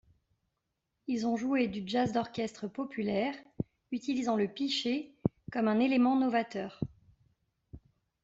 Ils ont joué du jazz d'orchestre populaire, utilisant le pichet comme un élément novateur.